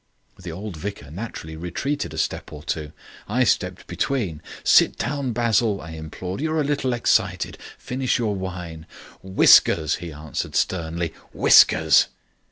The old vicar naturally retreated a step or two. I stepped between. "Sit down, Basil," I implored, "you're a little excited. Finish your wine." "Whiskers," he answered sternly, "whiskers."